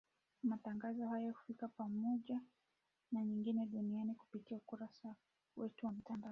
Matangazo haya hufika pamoja na sehemu nyingine za dunia kupitia ukurasa wetu wa mtandao.